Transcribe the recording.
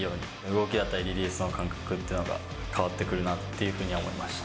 動きだったり、リリースの感覚っていうのが変わってくるなっていうふうに思いました。